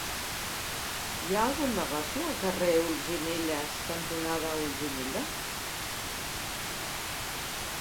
Hi ha algun negoci al carrer Olzinelles cantonada Olzinelles?